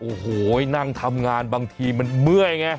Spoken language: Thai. โอ้โหนั่งทำงานบางทีมันเมื่อยไง